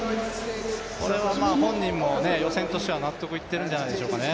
これは本人も予選としては納得いってるんじゃないですかね。